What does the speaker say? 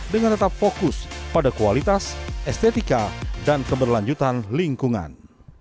dengan tetap fokus pada kualitas estetika dan keberlanjutan lingkungan